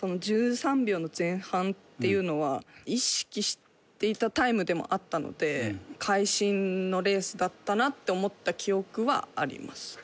１３秒の前半っていうのは意識していたタイムでもあったので会心のレースだったなって思った記憶はあります。